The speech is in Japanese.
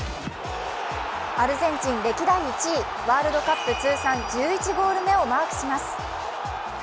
アルゼンチン歴代１位、ワールドカップ通算１１ゴール目をマークします。